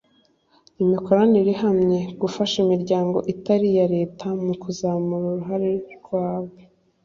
imikoranire ihamye Gufasha imiryango itari iya Leta mu kuzamura uruhare rwabo